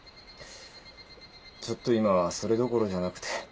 ちょっと今はそれどころじゃなくて。